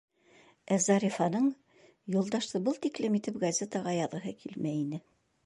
Ә Зарифаның Юлдашты был тиклем итеп газетаға яҙғыһы килмәй ине.